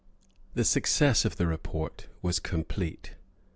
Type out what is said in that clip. The success of the report was complete.